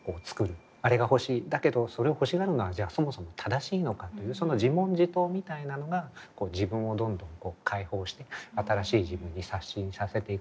あれが欲しいだけどそれを欲しがるのはじゃあそもそも正しいのかというその自問自答みたいなのが自分をどんどん解放して新しい自分に刷新させていくことになるんじゃないか。